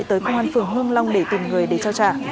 tới công an phường hương long để tìm người để trao trả